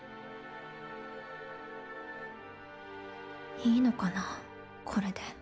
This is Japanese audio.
いいのかなこれで。